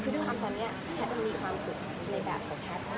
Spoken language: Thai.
คือด้วยความตอนนี้แพทย์ยังมีความสุขในแบบของแพทย์มาก